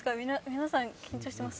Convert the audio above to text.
皆さん緊張してます？